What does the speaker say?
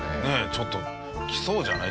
ちょっと来そうじゃない？